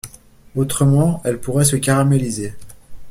Autrement, elle pourrait se caraméliser.